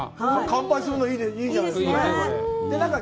乾杯するの、いいじゃないですか。